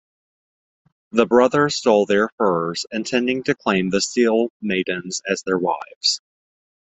The brothers stole their furs, intending to claim the seal-maidens as their wives.